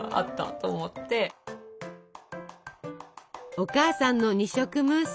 お母さんの二色ムース。